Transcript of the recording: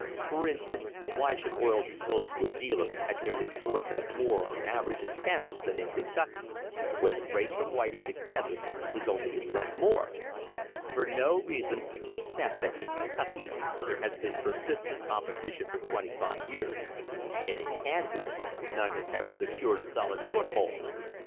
For instance, why should oil be sold to a dealer at nearly four cents more on an aver age in Kansas than in Kentucky, when the freight from Whiting to Kansas is only a cent more? For no reason except that in Kentucky there has been persistent competition for twenty five years, and in Kansas none has ever secured a solid THE PRICE OF OIL foothold.